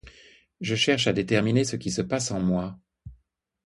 Je cherche à déterminer ce qui se passe en moi.